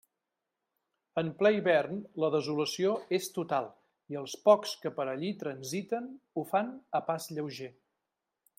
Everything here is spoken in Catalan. En ple hivern la desolació és total i els pocs que per allí transiten ho fan a pas lleuger.